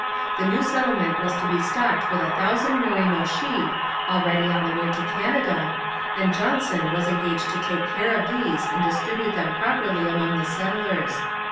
The new settlement was to be stocked with a thousand merino sheep, already on the way to Canada, and Johnson was engaged to take care of these and distribute them properly among the settlers.